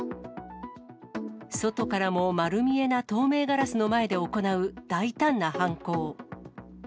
外からも丸見えな透明ガラスの前で行う大胆な犯行。